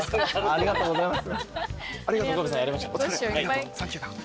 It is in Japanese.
ありがとうございます。